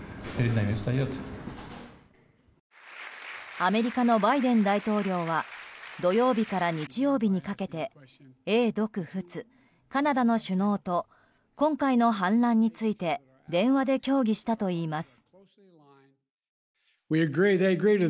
アメリカのバイデン大統領は土曜日から日曜日にかけて英、独、仏、カナダの首脳と今回の反乱について電話で協議したといいます。